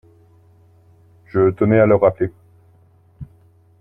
Je tenais à le rappeler.